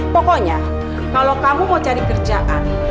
pokoknya kalau kamu mau cari kerjaan